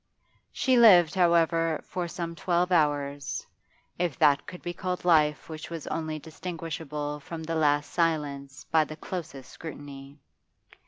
She lived, however, for some twelve hours, if that could be called life which was only distinguishable from the last silence by the closest scrutiny.